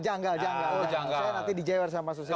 saya nanti dijewar sama mas nusriwan